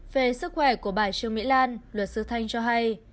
về sức khỏe của bà trương mỹ lan luật sư thanh cho hay